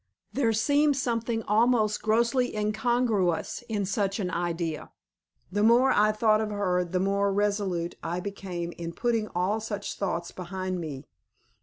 There seemed something almost grossly incongruous in any such idea. The more I thought of her the more resolute I became in putting all such thoughts behind me.